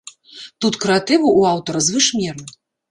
Тут крэатыву ў аўтара звыш меры.